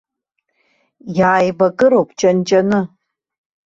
Иааибакыроуп ҷан-ҷаны.